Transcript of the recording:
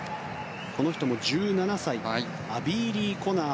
この人も１７歳アビー・リー・コナー。